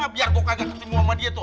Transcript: biar gue kagak ketemu sama dia tuh